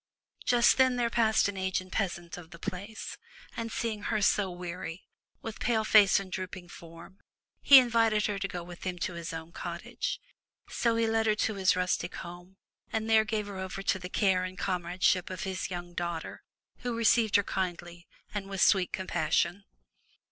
Just then there passed an aged peasant of the place, and seeing her so weary, with pale face and drooping form, he invited her to go with him to his own cottage. So he led her to his rustic home and there gave her over to the care and comradeship of his young daughter, who received her kindly and with sweet compassion.